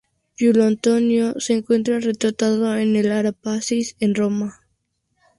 Julo Antonio se encuentra retratado en la Ara Pacis en Roma.